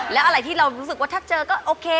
แล้วอะไรที่เรารู้สึกว่าถ้าเจอก็โอเค